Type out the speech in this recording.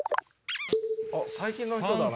あっ最近の人だな。